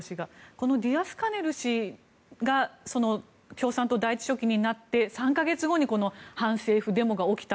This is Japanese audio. このディアスカネル氏が共産党第１書記になって３か月後に反政府デモが起きた。